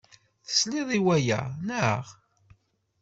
Tesliḍ i waya, naɣ?